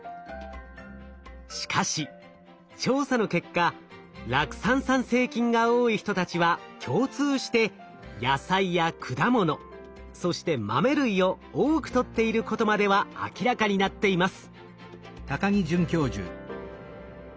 しかし調査の結果酪酸産生菌が多い人たちは共通して野菜や果物そして豆類を多くとっていることまでは明らかになっています。